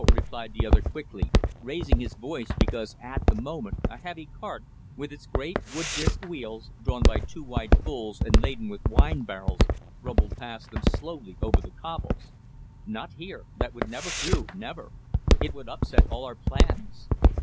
replied the other quickly, raising his voice because at the moment a heavy cart, with its great wood disc wheels, drawn by two white bulls and laden with wine barrels, rumbled past them slowly over the cobbles. "Not here that would never do, never! It would upset all our plans!